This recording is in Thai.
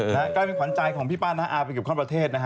กลายเป็นขวานใจของพี่ป้านอาวิธีกรข้อนประเทศ